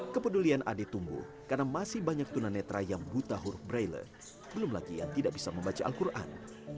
kepedulian ade tumbuh karena masih banyak tunanetra yang buta huruf braille belum lagi yang tidak bisa membaca al quran